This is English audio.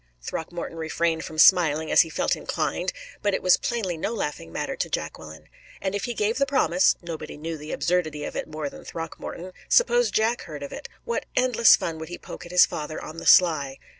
Throckmorton refrained from smiling, as he felt inclined, but it was plainly no laughing matter to Jacqueline. And if he gave the promise nobody knew the absurdity of it more than Throckmorton suppose Jack heard of it, what endless fun would he poke at his father on the sly!